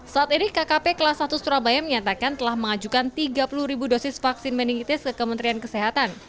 saat ini kkp kelas satu surabaya menyatakan telah mengajukan tiga puluh ribu dosis vaksin meningitis ke kementerian kesehatan